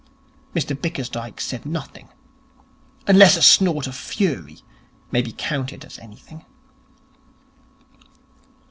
"' Mr Bickersdyke said nothing. Unless a snort of fury may be counted as anything.